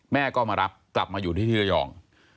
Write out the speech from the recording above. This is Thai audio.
แม่ก็มารับกลับมาอยู่ที่ที่ระยอง